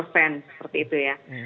seperti itu ya